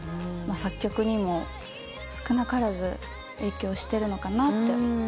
作曲にも少なからず影響してるのかなって。